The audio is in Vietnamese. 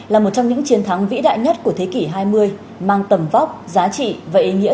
là một trong những chiến thắng vĩ đại nhất của thế kỷ hai mươi mang tầm vóc giá trị và ý nghĩa